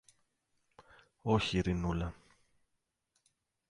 Όχι, Ειρηνούλα.